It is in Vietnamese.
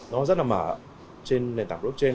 nó rất là mở trên nền tảng blockchain